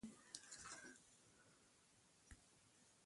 ستا په ملګرو کښې داسې څوک شته چې ما ته ليکل وښايي